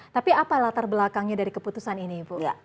tapi apa latar belakangnya dari keputusan ini ibu